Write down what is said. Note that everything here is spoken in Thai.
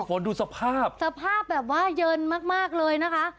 คนดูสภาพสภาพแบบว่าเย็นมากเลยนะคะ